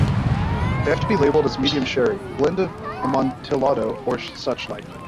They have to be labelled as Medium Sherry: blend of Amontillado or suchlike.